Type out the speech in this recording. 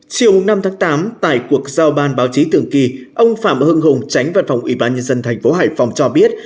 chiều năm tháng tám tại cuộc giao ban báo chí tưởng kỳ ông phạm hưng hùng tránh văn phòng ủy ban nhân dân thành phố hải phòng cho biết